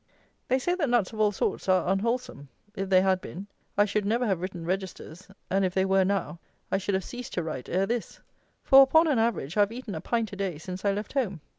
They say that nuts of all sorts are unwholesome; if they had been, I should never have written Registers, and if they were now, I should have ceased to write ere this; for, upon an average, I have eaten a pint a day since I left home.